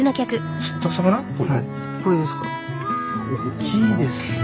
大きいですね。